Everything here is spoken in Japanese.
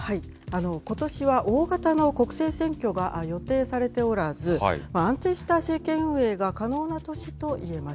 ことしは大型の国政選挙が予定されておらず、安定した政権運営が可能な年といえます。